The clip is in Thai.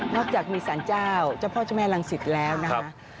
อกจากมีสารเจ้าเจ้าพ่อเจ้าแม่รังสิตแล้วนะคะ